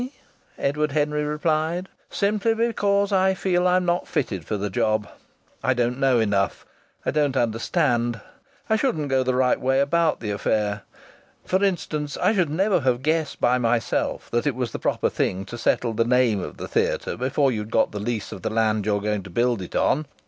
Edward Henry replied. "Simply because I feel I'm not fitted for the job. I don't know enough. I don't understand. I shouldn't go the right way about the affair. For instance, I should never have guessed by myself that it was the proper thing to settle the name of the theatre before you'd got the lease of the land you're going to build it on.